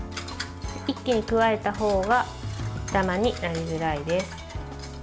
一気に加えた方がダマになりづらいです。